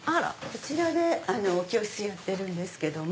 こちらでお教室やってるんです。